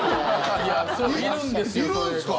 いるんですか？